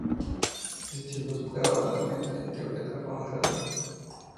Este tributo gravaba la renta, en teoría, de forma global.